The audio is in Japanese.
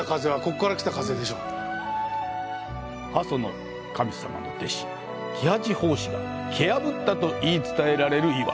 阿蘇の神様の弟子、鬼八法師が蹴破ったと言い伝えられる岩。